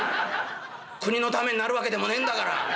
国のためになる訳でもねえんだから。